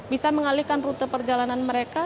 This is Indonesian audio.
bisa mengalihkan rute perjalanan mereka